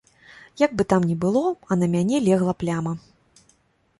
Як бы там не было, а на мяне легла пляма.